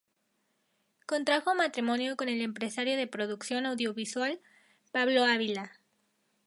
Contrajo matrimonio con el empresario de producción audiovisual Pablo Ávila.